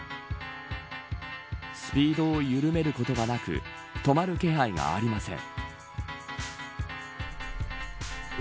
スピードを緩めることはなく止まる気配がありません。